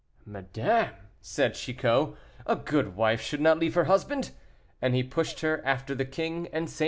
"Madame!" said Chicot, "a good wife should not leave her husband," and he pushed her after the king and St. Luc.